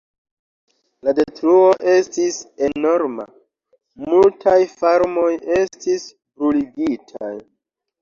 La detruo estis enorma; multaj farmoj estis bruligitaj.